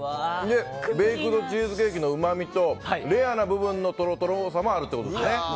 ベイクドチーズケーキのうまみとレアな部分のトロトロもあるということですね。